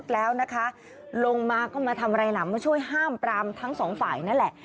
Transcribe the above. แล้วนะคะลงมาก็มาทำอะไรล่ะมาช่วยห้ามปรามทั้งสองฝ่ายนั่นแหละ